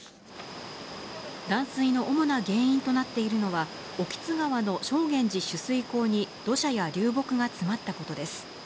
断水の主な原因となっているのは、興津川の承元寺取水口に土砂や流木が詰まったことです。